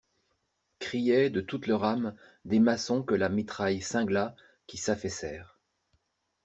Criaient, de toute leur âme, des maçons que la mitraille cingla, qui s'affaissèrent.